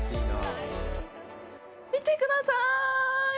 見てください！